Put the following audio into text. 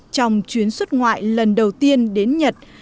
trong chuyến xuất ngoại lần đầu tiên đến nhật